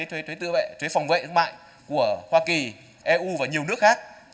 thuế phòng vệ thương mại của hoa kỳ eu và nhiều nước khác